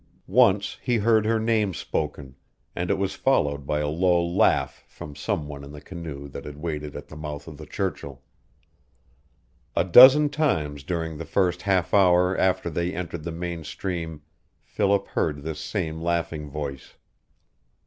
Once he heard her name spoken, and it was followed by a low laugh from some one in the canoe that had waited at the mouth of the Churchill. A dozen times during the first half hour after they entered the main stream Philip heard this same laughing voice.